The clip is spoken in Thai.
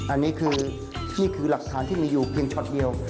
อันนี้คือนี่คือหลักฐานที่มีอยู่เพียงช็อตเดียว